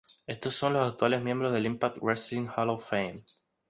Estos son los actuales miembros del Impact Wrestling Hall of Fame.